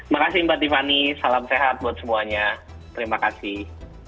makasih mbak tiffany salam sehat buat semuanya terima kasih